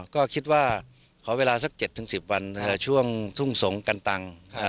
ก็คิดว่าขอเวลาสัก๗๑๐วันช่วงทุ่งสงกันตัง